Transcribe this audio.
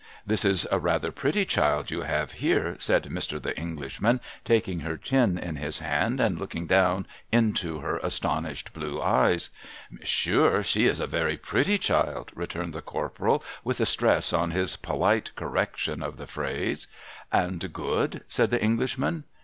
This is a rather pretty cliild you have here,' said Mr. The Englishman, taking her chin in his hand, and looking down into her astonished blue eyes. ' Monsieur, she is a very pretty cliild,' returned the Corporal, with a stress on his polite correction of the phrase. ' And good ?' said the Englishman.